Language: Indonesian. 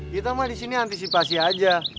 kita mah disini antisipasi aja